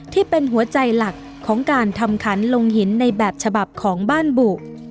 ที่เป็นหัวใจหลักของการทำขันลงหินในแบบฉบับของบ้านบุ